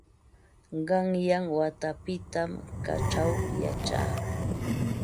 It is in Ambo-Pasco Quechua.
Qanyan watapitam kaćhaw yachaa.